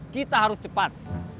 kita harus cepat